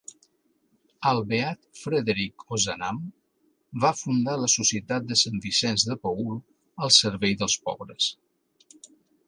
El beat Frederic Ozanam va fundar la Societat de St. Vicenç de Paül al servei dels pobres.